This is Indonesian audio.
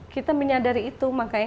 kita menyadari itu makanya